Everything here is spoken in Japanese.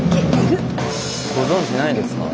ご存じないですか？